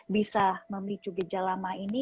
bisa memicu gejala mah ini